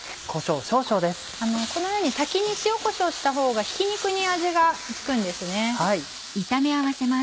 このように先に塩こしょうしたほうがひき肉に味が付くんです。